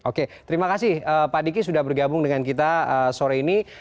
oke terima kasih pak diki sudah bergabung dengan kita sore ini